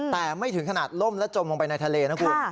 แต่ไม่ถึงขนาดล่มและจมลงไปในทะเลนะคุณ